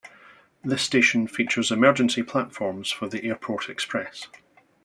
This station features emergency platforms for the Airport Express.